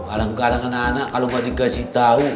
kadang kadang anak anak kalo gak dikasih tau